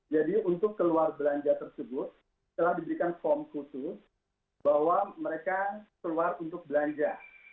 jadi untuk keluar belanja tersebut telah diberikan form khusus bahwa mereka keluar untuk belanja